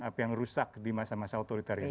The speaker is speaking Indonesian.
apa yang rusak di masa masa otoriter